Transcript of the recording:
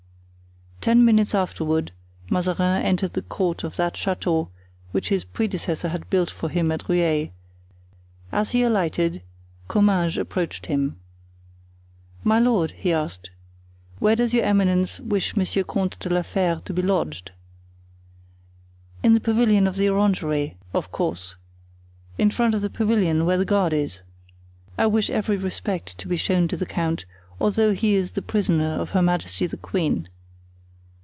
Ten minutes afterward Mazarin entered the court of that chateau which his predecessor had built for him at Rueil; as he alighted, Comminges approached him. "My lord," he asked, "where does your eminence wish Monsieur Comte de la Fere to be lodged?" "In the pavilion of the orangery, of course, in front of the pavilion where the guard is. I wish every respect to be shown the count, although he is the prisoner of her majesty the queen."